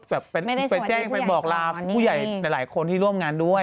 แบบไปแจ้งไปบอกลาผู้ใหญ่หลายคนที่ร่วมงานด้วย